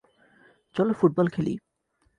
চলো ফুটবল খেলি।